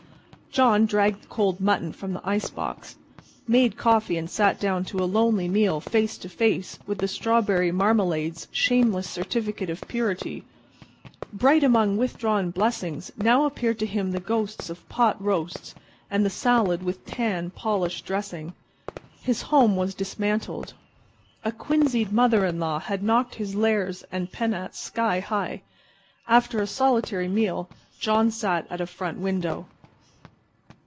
John dragged the cold mutton from the ice box, made coffee and sat down to a lonely meal face to face with the strawberry marmalade's shameless certificate of purity. Bright among withdrawn blessings now appeared to him the ghosts of pot roasts and the salad with tan polish dressing. His home was dismantled. A quinzied mother in law had knocked his lares and penates sky high. After his solitary meal John sat at a front window.